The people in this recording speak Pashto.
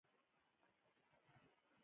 افغانان ولې ډیر چای څښي؟